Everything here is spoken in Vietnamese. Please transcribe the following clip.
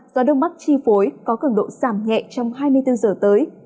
gió đông bắc chi phối có cường độ giảm nhẹ trong hai mươi bốn giờ tới